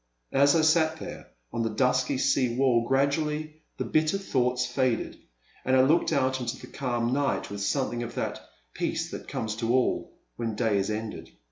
And, as I sat there on the dusky sea wall, gradually the bitter thoughts faded and I looked out into the calm night with something of that peace that comes to all when day is ended.